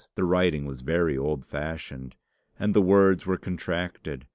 The writing was very old fashioned, and the words were contracted.